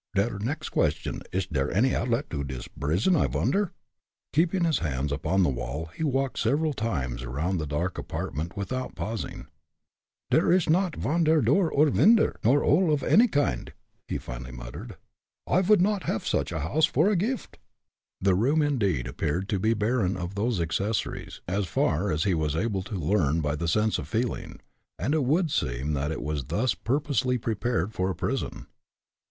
Der next question, ish der any outlet to dis brison, I vonder?" Keeping his hands upon the wall, he walked several times around the dark apartment without pausing. "Der ish not von door or vinder, nor hole of any kind!" he finally muttered. "I would not haff such a house for a gift." The room indeed appeared to be barren of those accessories, as far as he was able to learn by the sense of feeling, and it would seem that it was thus purposely prepared for a prison.